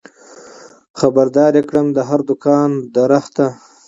خبر دار يې کړم د هر دوکان له رخته